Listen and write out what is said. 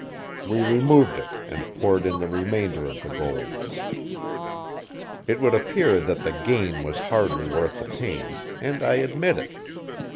We removed it and poured in the remainder of the gold. It would appear that the gain was hardly worth the pains, and I admit it.